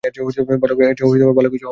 এর চেয়েও ভালো কিছু হওয়া উচিত।